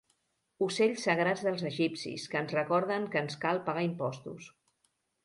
Ocells sagrats dels egipcis que ens recorden que ens cal pagar impostos.